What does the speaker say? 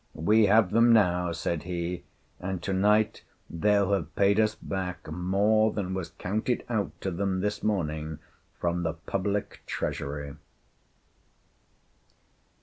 "We have them now!" said he; "and to night they'll have paid us back more than was counted out to them this morning from the public treasury!"